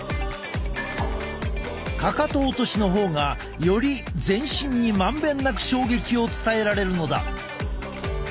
かかと落としの方がより全身に満遍なく衝撃を伝えられるのだ。